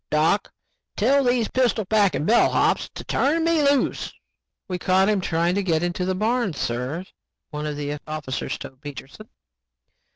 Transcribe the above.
"Doc, tell these pistol packing bellhops to turn me loose." "We caught him trying to get into the barn, sir," one of the officers told Peterson.